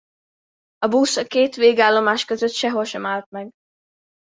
A busz a két végállomás között sehol sem állt meg.